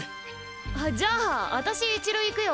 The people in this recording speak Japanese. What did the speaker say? あっじゃあ私一塁行くよ。